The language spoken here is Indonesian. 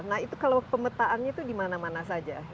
nah itu kalau pemetaannya itu dimana mana saja